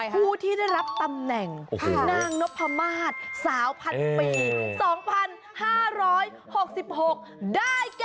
ผู้ที่ได้รับตำแหน่งคือนางนพมาศสาวพันปี๒๕๖๖ได้แก่